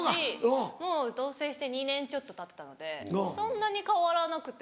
もう同棲して２年ちょっとたってたのでそんなに変わらなくて。